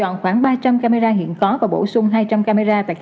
nhưng cái bột nó khác